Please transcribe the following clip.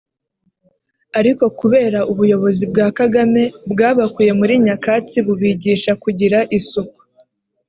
ariko kubera ubuyobozi bwa Kagame bwabakuye muri nyakatsi bubigisha kugira isuku